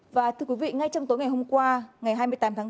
và thưa quý vị ngay trong tối ngày hôm qua ngày hai mươi tám tháng bốn